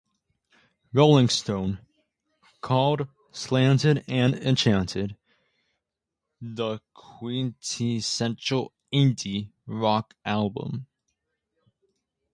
"Rolling Stone" called "Slanted and Enchanted" "the quintessential indie rock album.